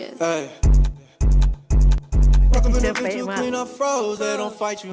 อ้าวมันก็ไม่จริง